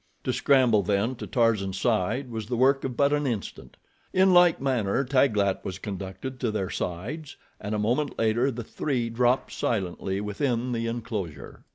To scramble then to Tarzan's side was the work of but an instant. In like manner Taglat was conducted to their sides, and a moment later the three dropped silently within the enclosure.